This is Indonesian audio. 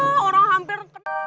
wah orang hampir